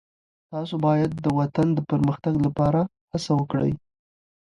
تاسو باید د وطن د پرمختګ لپاره هڅه وکړئ.